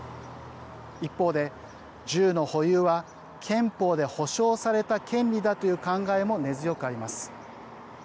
一方で、銃の保有は憲法で保障された権利だという考えも根強くあります。